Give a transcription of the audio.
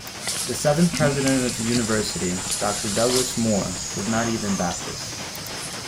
The seventh President of the University, Doctor Douglas Moore, was not even Baptist.